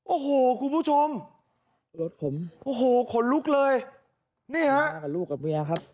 โอ้โหคุณผู้ชมรถผมโอ้โหขนลุกเลยนี่ฮะมากับลูกกับเมียครับ